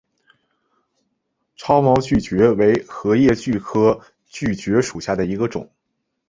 叉毛锯蕨为禾叶蕨科锯蕨属下的一个种。